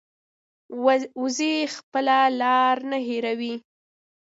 وزې خپله لار نه هېروي